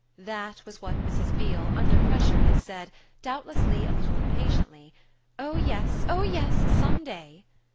That was what Mrs. Beale, under pressure, had said doubtless a little impatiently: "Oh yes, oh yes, some day!"